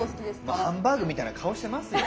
まあハンバーグみたいな顔してますよ